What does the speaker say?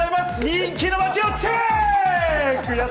人気の街をチェック！